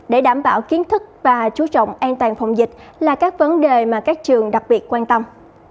để đảm bảo kiến thức và chú trọng an toàn phòng dịch là các vấn đề mà các trường đặc biệt quan tâm